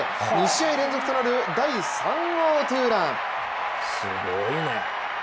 ２試合連続となる第３号２ラン。